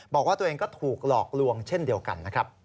บอกว่าตัวเองก็ถูกหลอกลวงเช่นเดียวกันนะครับ